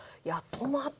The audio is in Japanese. トマト